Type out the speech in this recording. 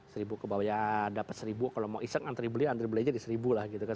seribu ke bawah ya dapat seribu kalau mau iseng antre beli antre beli aja di seribu lah gitu kan